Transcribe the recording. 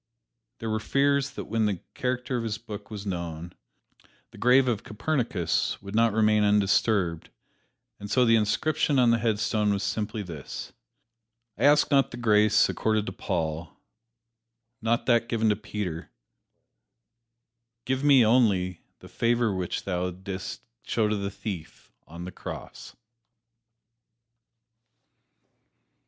There were fears that when the character of his book was known, the grave of Copernicus would not remain undisturbed, and so the inscription on the headstone was simply this: "I ask not the grace accorded to Paul; not that given to Peter; give me only the favor which Thou didst show to the thief on the cross."